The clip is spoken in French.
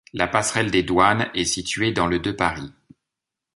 La passerelle des Douanes est située dans le de Paris.